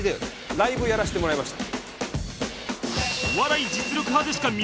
ライブやらせてもらいました。